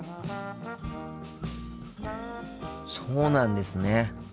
そうなんですね。